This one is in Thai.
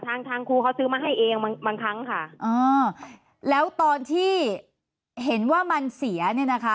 ทางทางครูเขาซื้อมาให้เองบางบางครั้งค่ะอ่าแล้วตอนที่เห็นว่ามันเสียเนี่ยนะคะ